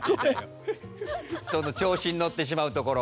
その調子に乗ってしまうところ